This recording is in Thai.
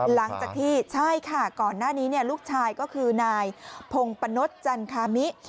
หลังจากที่ใช่ค่ะก่อนหน้านี้ลูกชายก็คือนายพงปะนดจันคามิ